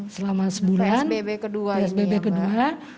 selama sebulan psbb kedua